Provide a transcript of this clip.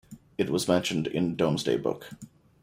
It was mentioned in Domesday Book.